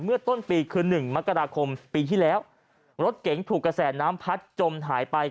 เมื่อต้นปีคือหนึ่งมกราคมปีที่แล้วรถเก๋งถูกกระแสน้ำพัดจมหายไป